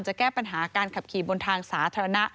แก้ปัญหาการขับขี่บนทางสาธารณะ